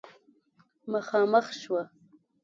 مخامخ شوه